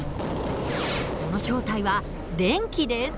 その正体は電気です。